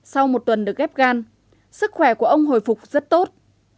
sau một tuần được ghép gan sức khỏe của ông hồi phục rất tốt